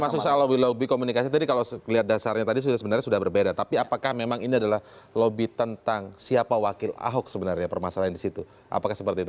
masuk soal lobby lobby komunikasi tadi kalau lihat dasarnya tadi sebenarnya sudah berbeda tapi apakah memang ini adalah lobby tentang siapa wakil ahok sebenarnya permasalahan di situ apakah seperti itu